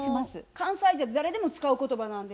関西で誰でも使う言葉なんです。